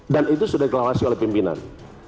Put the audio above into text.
dan itu sudah dikelahasi oleh pimpinan